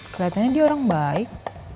kelihatannya dia orang baik